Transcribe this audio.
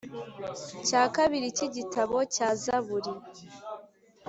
cya kabiri cy igitabo cya Zaburi